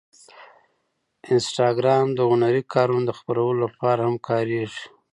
انسټاګرام د هنري کارونو د خپرولو لپاره هم کارېږي.